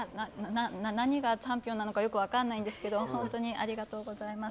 何がチャンピオンなのかよく分かんないんですけど本当にありがとうございます。